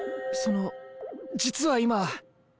その実は今。